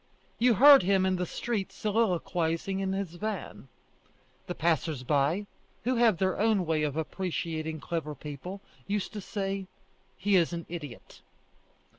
You heard him in the street soliloquizing in his van. The passers by, who have their own way of appreciating clever people, used to say: He is an idiot.